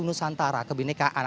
kebunan kebunan kebunan